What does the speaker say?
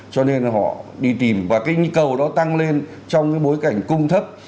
cho nên họ đi tìm và cái nhu cầu nó tăng lên trong cái bối cảnh cung thấp